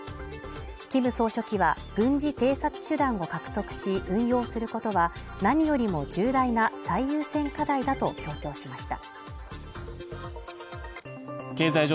キム総書記は軍事偵察手段を獲得し、運用することは何よりも重大な最優先課題だと強調しました。